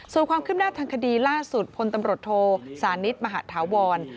ส่วนความคืบหน้าทางคดีล่าสุดพลตำรวจโทสานิทมหาธาวร